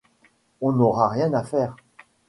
On n’aura rien à faire